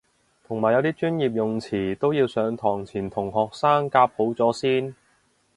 同埋有啲專業用詞都要上堂前同學生夾好咗先